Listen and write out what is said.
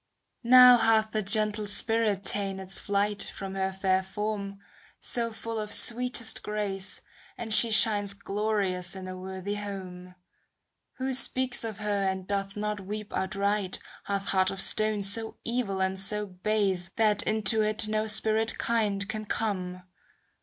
Now hath the gentle spirit ta'en its flight From her fair form, so full of sweetest grace. And she shines glorious in a worthy home. Who speaks of her, and doth not weep out right. Hath heart of stone so evil and so base. That into it no spirit kind can come.